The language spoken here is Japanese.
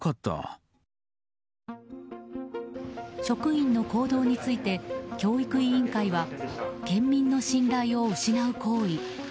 職員の行動について教育委員会は県民の信頼を失う行為。